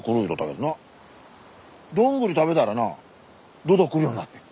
どんぐり食べたらなどどくるようになんねん。